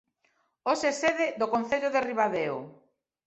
Hoxe é sede do Concello de Ribadeo.